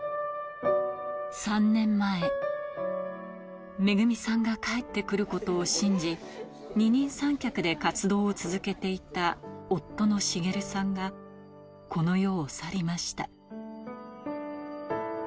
３年前、めぐみさんが帰ってくることを信じ、二人三脚で活動を続けていた夫の滋さんが、この世を去りました。